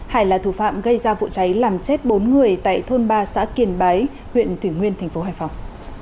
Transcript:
hải là thủ phạm gây ra vụ cháy làm chết bốn người tại thôn ba xã kiền báy huyện thủy nguyên tp hải phòng